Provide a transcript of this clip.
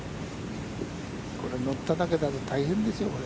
これ、乗っただけで大変ですよ。